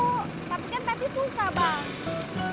tapi kan tati suka bang